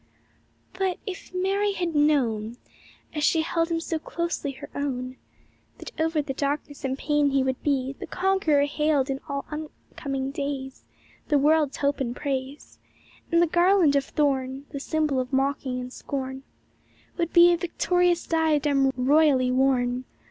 But — if Mary had known. As she held him so closely, her own. That over the darkness and pain he would be The Conqueror hailed in all oncoming days. The world's hope and praise. And the garland of thorn. The symbol of mocking and scorn Would be a victorious diadem royally worn.